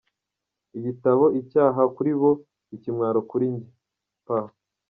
igitabo “Icyaha kuri bo, ikimwaro kuri njye” P.